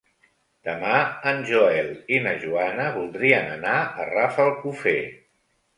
Demà en Joel i na Joana voldrien anar a Rafelcofer.